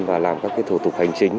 và làm các thủ tục hành chính